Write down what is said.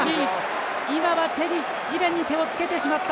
今は地面に手をつけてしまった。